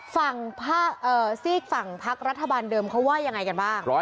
ซีกฝั่งพักรัฐบาลเดิมเขาว่ายังไงกันบ้าง